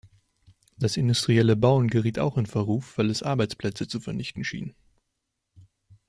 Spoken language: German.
Das industrielle Bauen geriet auch in Verruf, weil es Arbeitsplätze zu vernichten schien.